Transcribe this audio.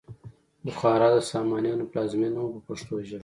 بخارا د سامانیانو پلازمینه وه په پښتو ژبه.